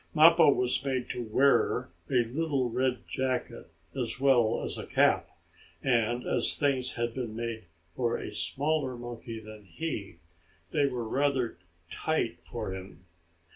Mappo was made to wear a little red jacket, as well as a cap, and, as the things had been made for a smaller monkey than he, they were rather tight for him.